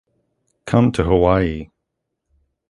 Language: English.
Come to Hawaii.